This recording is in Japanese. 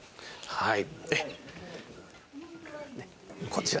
はい。